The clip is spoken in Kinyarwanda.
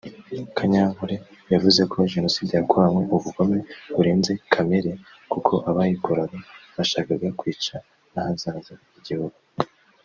Kanyankore yavuze ko Jenoside yakoranywe ubugome burenze kamere kuko abayikoraga bashakaga kwica n’ahazaza h’igihugu